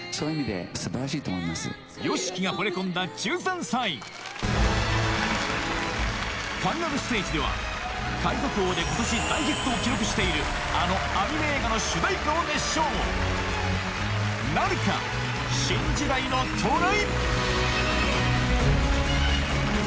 ＹＯＳＨＩＫＩがほれ込んだ１３歳ファイナルステージでは「海賊王」で今年大ヒットを記録しているあのアニメ映画の主題歌を熱唱なるか⁉新時代の到来！